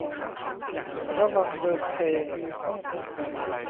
ระวังเดินเซ